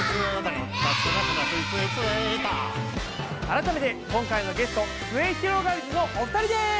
改めて今回のゲストすゑひろがりずのお二人です！